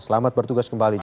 selamat bertugas kembali